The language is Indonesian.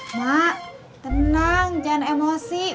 mak tenang jangan emosi